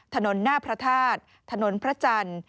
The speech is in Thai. ถนนหน้าพระธาตุถนนพระจันทร์